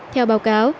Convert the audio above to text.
theo báo cáo